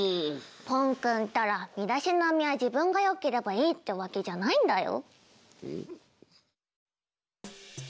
ぽんくんったら身だしなみは自分がよければいいってわけじゃないんだよ。